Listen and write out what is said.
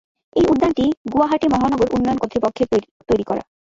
এই উদ্যানটি গুয়াহাটি মহানগর উন্নয়ন কর্তৃপক্ষের তৈরি করা।